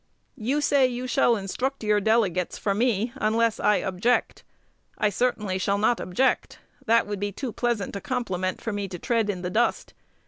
You say you shall instruct your delegates for me, unless I object. I certainly shall not object. That would be too pleasant a compliment for me to tread in the dust.